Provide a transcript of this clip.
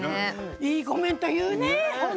いいコメント言うね！